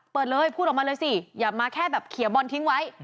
เปิดเลยพูดออกมาเลยสิอย่ามาแค่แบบเขียบอลทิ้งไว้